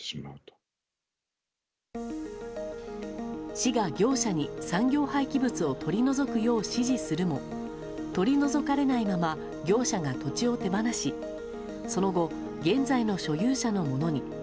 市が業者に産業廃棄物を取り除くよう指示するも取り除かれないまま業者が土地を手放しその後、現在の所有者のものに。